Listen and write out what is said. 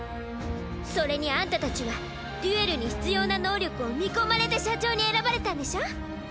それにアンタたちはデュエルに必要な能力を見込まれて社長に選ばれたんでしょ？